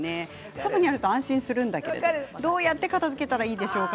そばにあると安心するんだけどどうやって片づけたらいいんでしょうか。